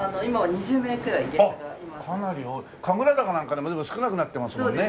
あっかなり多い神楽坂なんかでも少なくなってますもんね。